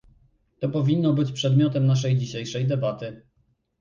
To powinno być przedmiotem naszej dzisiejszej debaty